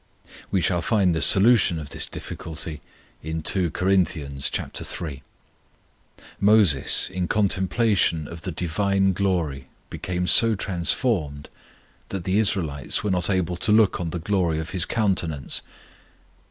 We shall find the solution of this difficulty in 2 Cor. iii. Moses in contemplation of the Divine glory became so transformed that the Israelites were not able to look on the glory of his countenance.